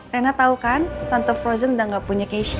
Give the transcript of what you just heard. rena tau kan tante frozen udah gak punya cash